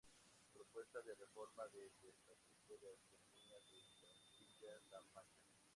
Propuesta de reforma del Estatuto de Autonomía de Castilla-La Mancha.